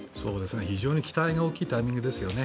非常に期待の大きいタイミングですね。